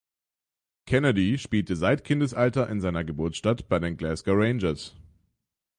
Kennedy spielte seit Kindesalter in seiner Geburtsstadt bei den Glasgow Rangers.